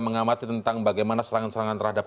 mengamati tentang bagaimana serangan serangan terhadap